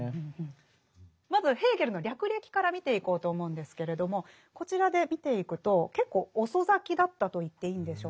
まずヘーゲルの略歴から見ていこうと思うんですけれどもこちらで見ていくと結構遅咲きだったと言っていいんでしょうか。